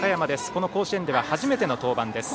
この甲子園では初めての登板です。